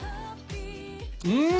うん！